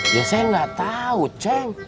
ya saya gak tau ceng